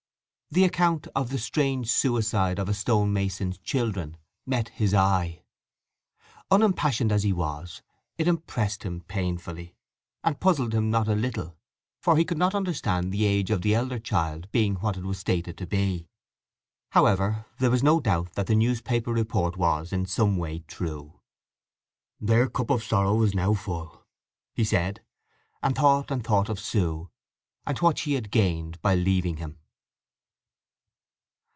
The account of the "strange suicide of a stone mason's children" met his eye. Unimpassioned as he was, it impressed him painfully, and puzzled him not a little, for he could not understand the age of the elder child being what it was stated to be. However, there was no doubt that the newspaper report was in some way true. "Their cup of sorrow is now full!" he said: and thought and thought of Sue, and what she had gained by leaving him.